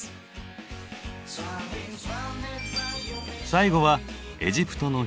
最後はエジプトの棺。